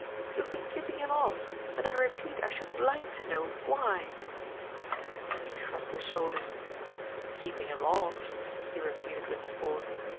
You have been keeping him off, and I repeat I should like to know why." He shrugged his shoulders :" Keeping him off !" he re peated with scorn.